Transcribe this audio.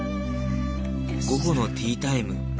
午後のティータイム。